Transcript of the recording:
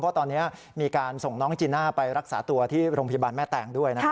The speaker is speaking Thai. เพราะตอนนี้มีการส่งน้องจีน่าไปรักษาตัวที่โรงพยาบาลแม่แตงด้วยนะครับ